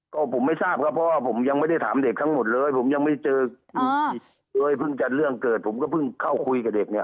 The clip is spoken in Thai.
ก็ผมไม่ทราบครับเพราะว่าผมยังไม่ได้ถามเด็กทั้งหมดเลยผมยังไม่เจอเพิ่งจะเรื่องเกิดผมก็เพิ่งเข้าคุยกับเด็กเนี่ย